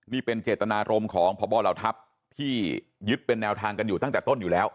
นี่เป็นเจตนารมณ์ของพบเหล่าทัพที่ยึดเป็นแนวทางกันอยู่ตั้งแต่ต้นอยู่แล้ว